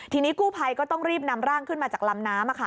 ทีนี้กู้ภัยก็ต้องรีบนำร่างขึ้นมาจากลำน้ำ